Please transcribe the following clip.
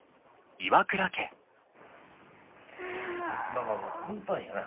・まあまあまあ運搬やな。